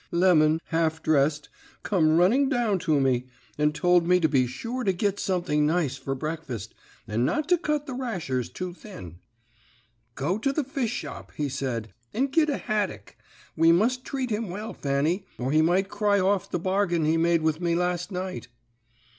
Lemon, half dressed, come running down to me, and told me to be sure to git something nice for breakfast, and not to cut the rashers too thin. "'Go to the fish shop,' he said, 'and git a haddick. We must treat him well, Fanny, or he might cry off the bargain he made with me last night.'